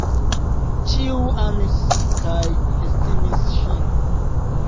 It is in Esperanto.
Ĉiu amis kaj estimis ŝin.